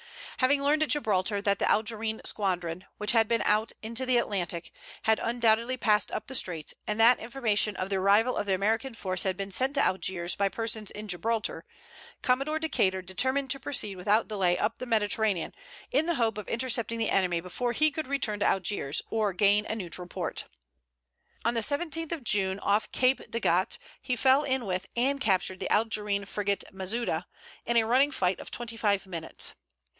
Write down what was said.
Having learned at Gibraltar that the Algerine squadron, which had been out into the Atlantic, had undoubtedly passed up the straits, and that information of the arrival of the American force had been sent to Algiers by persons in Gibraltar, Commodore Decater determined to proceed without delay up the Mediterranean, in the hope of intercepting the enemy before he could return to Algiers, or gain a neutral port. On the 17th of June, off Cape de Gatt, he fell in with and captured the Algerine frigate Mazouda, in a running fight of twenty five minutes.